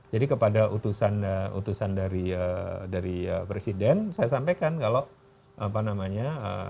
kepada utusan dari presiden saya sampaikan kalau apa namanya